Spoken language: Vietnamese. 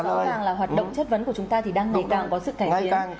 vâng như vậy là rõ ràng là hoạt động chất vấn của chúng ta thì đang ngày càng có sự cải tiến